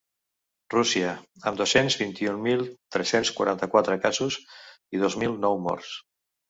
Rússia, amb dos-cents vint-i-un mil tres-cents quaranta-quatre casos i dos mil nou morts.